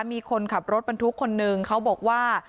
มีคนขับรถบรรทุกคนนึงเขาบอกว่า